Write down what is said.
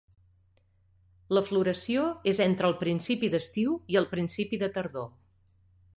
La floració és entre el principi d'estiu i el principi de tardor.